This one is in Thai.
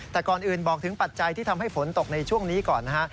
แต่ก่อนอื่นบอกถึงปัจจัยที่ทำให้ฝนตกในช่วงนี้ก่อนนะฮะ